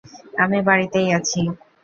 আমি বাড়িতেই আছি।